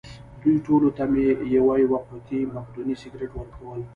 دوی ټولو ته مې یوه یوه قوطۍ مقدوني سګرېټ ورکړل.